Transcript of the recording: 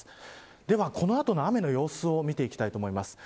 では、この後の雨の様子を見ていきたいと思います。